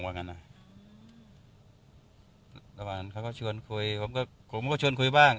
แล้วเขาก็ชวนคุยผมก็ชวนคุยบ้าง